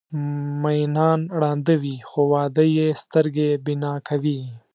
مینان ړانده وي خو واده یې سترګې بینا کوي.